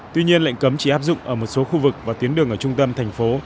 tuy nhiên lệnh cấm chỉ áp dụng ở một số khu vực và tuyến đường ở trung tâm thành phố